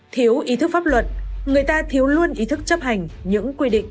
thiếu ý thức pháp luật người ta thiếu luôn ý thức chấp hành những quy định